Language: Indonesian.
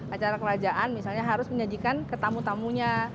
acara kerajaan misalnya harus menyajikan ke tamu tamunya